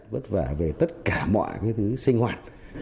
vất vả về tất cả mọi thứ sinh hoạt